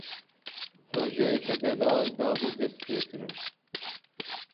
Projeyeke delal dabû destpêkirin.